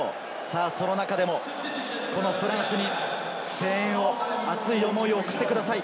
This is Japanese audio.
その中でもフランスに声援を熱い思いを送ってください。